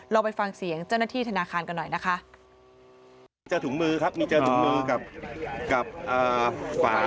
ไปฟังเสียงเจ้าหน้าที่ธนาคารกันหน่อยนะคะ